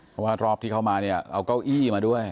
เพราะว่ารอบที่เข้ามาเนี่ยเอาเก้าอี้มาด้วย